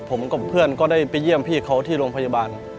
ผมกับเพื่อนก็ได้ไปเยี่ยมพี่เขาที่โรงพยาบาล